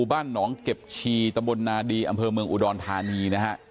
บ้านเหนาะเก็บชีตมนด์นาตรีอำเภอเมืองอุดรทานีนะครับ